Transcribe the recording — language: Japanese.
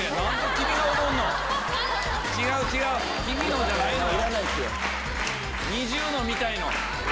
君のじゃないのよ。